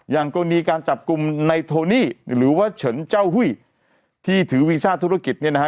อย่างกรณีการจับกลุ่มในโทนี่หรือว่าเฉินเจ้าหุ้ยที่ถือวีซ่าธุรกิจเนี่ยนะฮะ